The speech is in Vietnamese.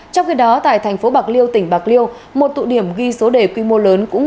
trong khi đó tại thành phố bạc liêu tỉnh bạc liêu một tụ điểm ghi số đề quy mô lớn cũng